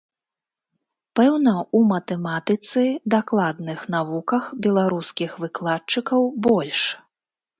Пэўна, у матэматыцы, дакладных навуках беларускіх выкладчыкаў больш.